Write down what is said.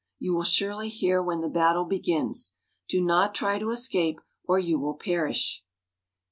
You will surely hear when the battle begins. Do not try to escape, or you will perish."